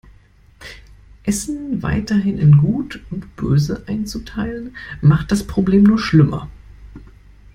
Essen weiterhin in gut und böse einzuteilen, macht das Problem nur schlimmer.